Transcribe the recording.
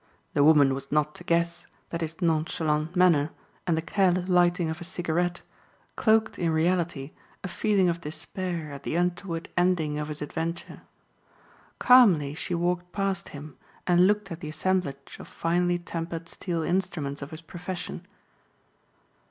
The woman was not to guess that his nonchalant manner and the careless lighting of a cigarette, cloaked in reality a feeling of despair at the untoward ending of his adventure. Calmly she walked past him and looked at the assemblage of finely tempered steel instruments of his profession.